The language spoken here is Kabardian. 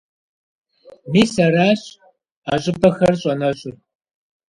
Мис аращ а щӀыпӀэхэр щӀэнэщӀыр.